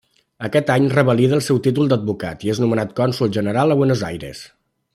Aquest any revalida el seu títol d'advocat i és nomenat Cònsol General a Buenos Aires.